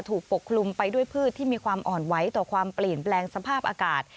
ปกคลุมไปด้วยพืชที่มีความอ่อนไหวต่อความเปลี่ยนแปลงสภาพอากาศ